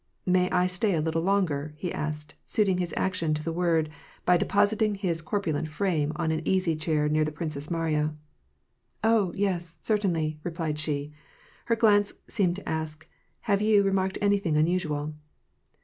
" May I stay a little longer ?" he asked, suiting the action to the word by depositing his corpulent frame on an easy chair near the Princess Mariya. " Oh, yes, certainly !" replied she. Her glance seemed to ask, " Have you remarked anything unusual